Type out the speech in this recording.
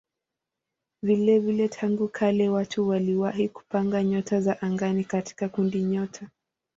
Vilevile tangu kale watu waliwahi kupanga nyota za angani katika kundinyota.